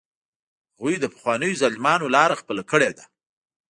هغوی د پخوانیو ظالمانو لاره خپله کړې ده.